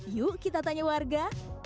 yuk kita tanya warga